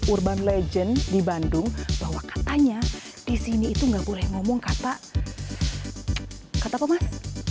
urban legend di bandung bahwa katanya di sini itu nggak boleh ngomong kata kata mas